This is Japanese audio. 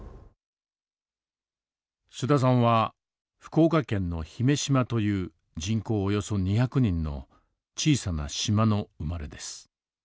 須田さんは福岡県の姫島という人口およそ２００人の小さな島の生まれです。